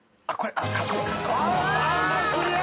クリア。